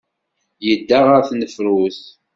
Yedda ɣer tnefrut.